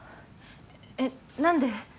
えっ何で？